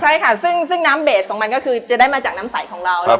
ใช่ค่ะซึ่งน้ำเบสของมันก็คือจะได้มาจากน้ำใสของเรา